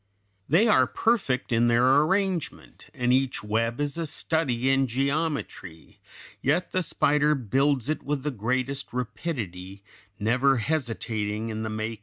They are perfect in their arrangement, and each web is a study in geometry, yet the spider builds it with the greatest rapidity, never hesitating in the making or repairing.